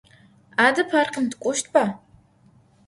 Ade parkım tık'oştba?